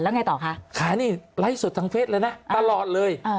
แล้วไงต่อคะขายนี่ไลฟ์สดทางเฟสเลยนะตลอดเลย